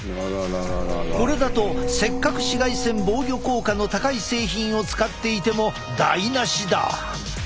これだとせっかく紫外線防御効果の高い製品を使っていても台なしだ。